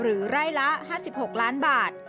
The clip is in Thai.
หรือไร่ละ๕๖ล้านบาท